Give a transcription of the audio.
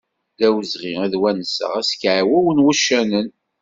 D awezɣi ad wenseɣ askiɛew n wucanen.